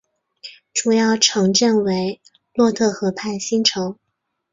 主要城镇为洛特河畔新城。